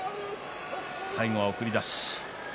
最後は送り出し。